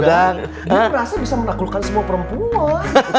aku merasa bisa menaklukkan semua perempuan